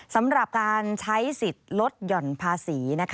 สำหรับการใช้สิทธิ์ลดหย่อนภาษี